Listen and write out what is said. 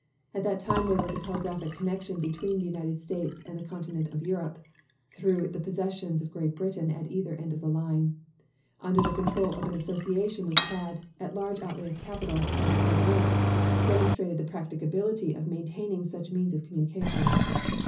At that time there was a telegraphic connection between the United States and the continent of Europe (through the possessions of Great Britain at either end of the line), under the control of an association which had, at large outlay of capital and at great risk, demonstrated the practicability of maintaining such means of communication.